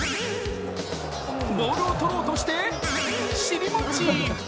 ボールを取ろうとして、尻餅。